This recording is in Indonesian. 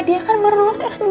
dia kan berulus s dua